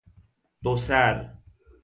دو سر